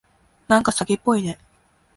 なんか詐欺っぽいね。